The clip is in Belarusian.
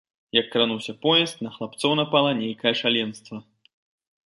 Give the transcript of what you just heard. Як крануўся поезд, на хлапцоў напала нейкае шаленства.